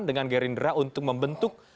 dengan gerindra untuk membentuk